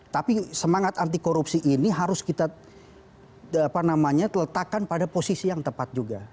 tapi semangat anti korupsi ini harus kita letakkan pada posisi yang tepat juga